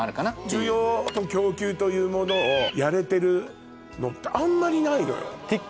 需要と供給というものをやれてるのってあんまりないのよ。